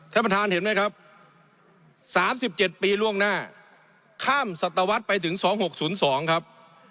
ท่านประธานเห็นไหมครับ๓๗ปีล่วงหน้าข้ามสัตวรรษไปถึง๒๖๐๒ครับ